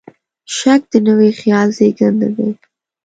شک د نوي خیال زېږنده دی.